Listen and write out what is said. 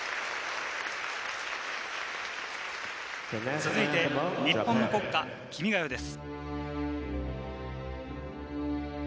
続いて日本の国歌、『君が代』です。